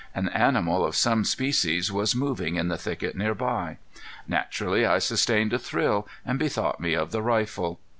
An animal of some species was moving in the thicket nearby. Naturally I sustained a thrill, and bethought me of the rifle.